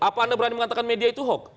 apa anda berani mengatakan media itu hoax